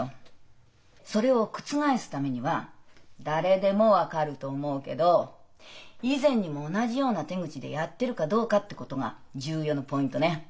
それを覆すためには誰でも分かると思うけど以前にも同じような手口でやってるかどうかってことが重要なポイントね。